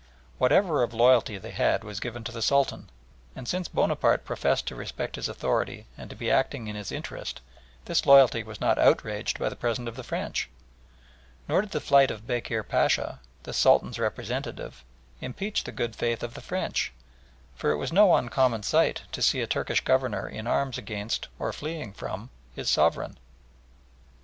Whatever of loyalty they had was given to the Sultan, and since Bonaparte professed to respect his authority and to be acting in his interest, this loyalty was not outraged by the presence of the French. Nor did the flight of Bekir Pacha, the Sultan's representative, impeach the good faith of the French, for it was no uncommon sight to see a Turkish governor in arms against, or fleeing from, his sovereign.